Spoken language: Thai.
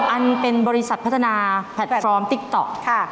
อันเป็นบริษัทพัฒนาแพลตฟอร์มติ๊กต๊อก